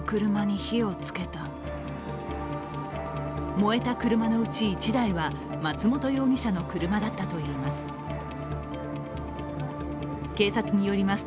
燃えた車のうち１台は松本容疑者の車だったといいます。